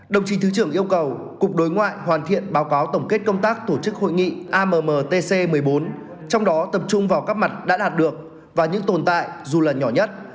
đồng chí thứ trưởng yêu cầu cục đối ngoại hoàn thiện báo cáo tổng kết công tác tổ chức hội nghị ammtc một mươi bốn trong đó tập trung vào các mặt đã đạt được và những tồn tại dù là nhỏ nhất